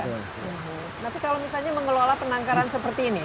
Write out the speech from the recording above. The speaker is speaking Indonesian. tapi kalau misalnya mengelola penangkaran seperti ini